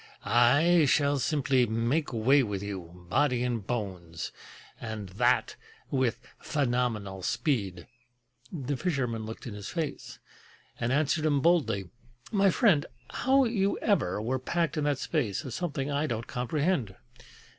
I shall simply make way with you, body and bones, And that with phenomenal speed!" The fisherman looked in his face, And answered him boldly: "My friend, How you ever were packed in that space Is something I don't comprehend.